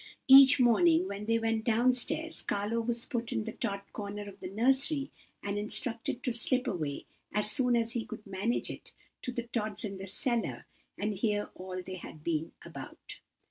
Each morning, when they went down stairs, Carlo was put in the Tod corner of the nursery and instructed to slip away, as soon as he could manage it, to the Tods in the cellar, and hear all that they had been about.